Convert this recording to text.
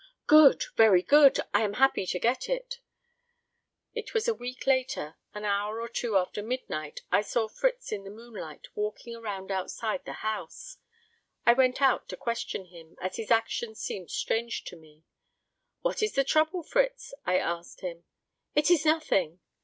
"Good! Very good! I am happy to get it." It was a week later, an hour or two after midnight, I saw Fritz in the moonlight, walking around outside the house. I went out to question him, as his actions seemed strange to me. "What is the trouble, Fritz?" I asked him. "It is nothing."